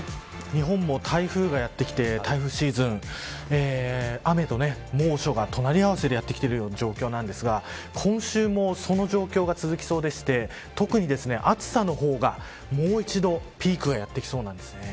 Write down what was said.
日本も台風がやってきて台風シーズン雨と猛暑が隣合わせでやってきているような状況なんですが今週もその状況が続きそうでして特に、暑さの方がもう一度ピークがやってきそうなんです。